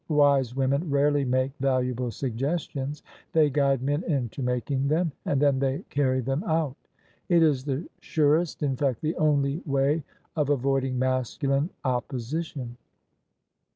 Wise women rarely make valuable suggestions: they guide men into making them, and then they carry them out. It is the surest — in fact the only — ^way of avoiding masculine opposi tion.